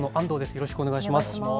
よろしくお願いします。